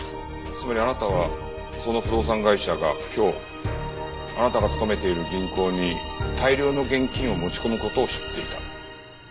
つまりあなたはその不動産会社が今日あなたが勤めている銀行に大量の現金を持ち込む事を知っていた。